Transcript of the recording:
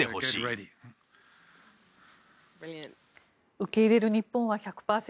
受け入れる日本は１００％